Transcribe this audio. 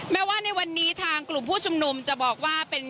แม้ว่าในวันนี้ทางกลุ่มผู้ชุมนุมจะบอกว่าเป็น